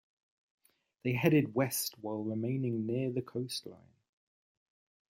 They headed west while remaining near the coastline.